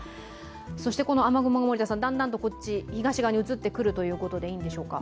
そしてこの雨雲、だんだんと東に移ってくるということでいいんでしょうか？